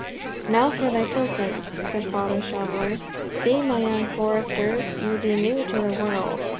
"Now for thy tokens," said Father Shoveller. "See my young foresters, ye be new to the world.